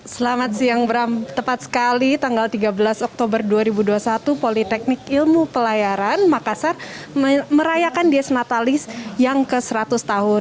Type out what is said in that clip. selamat siang bram tepat sekali tanggal tiga belas oktober dua ribu dua puluh satu politeknik ilmu pelayaran makassar merayakan dies matalis yang ke seratus tahun